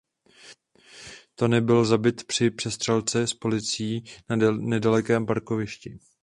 Tony byl zabit při přestřelce s policií na nedalekém parkovišti.